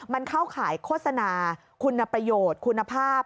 มันเข้าขายโฆษณาคุณประโยชน์คุณภาพ